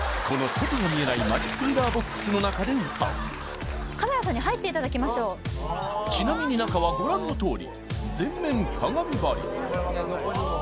この外の見えないマジックミラーボックスの中で歌うカメラさんに入っていただきましょうちなみに中はご覧のとおり全面鏡張り